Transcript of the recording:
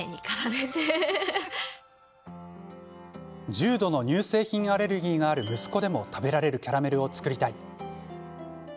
重度の乳製品アレルギーがある息子でも食べられるキャラメルを作りたい。